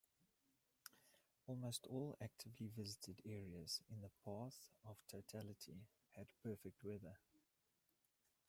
Almost all actively visited areas in the path of totality had perfect weather.